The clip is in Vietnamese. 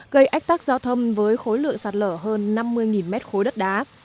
gây ách tắc giao thâm với khối lượng sạt lở hơn năm mươi m ba đất đá